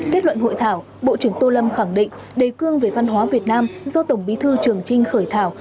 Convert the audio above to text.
kết luận hội thảo bộ trưởng tô lâm khẳng định đề cương về văn hóa việt nam do tổng bí thư trường trinh khởi thảo